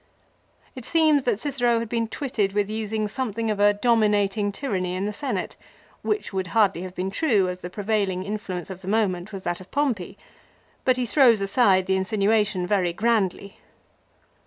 It seems that Cicero had been twitted with using something of a dominating tyranny in the Senate ; which would hardly have been true, as the prevailing in fluence of the moment was that of Pompey ; but he throws aside the insinuation very grandly.